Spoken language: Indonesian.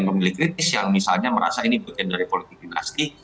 pemilih kritis yang misalnya merasa ini bagian dari politik dinasti